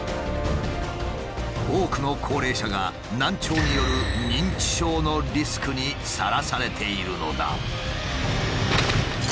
多くの高齢者が難聴による認知症のリスクにさらされているのだ。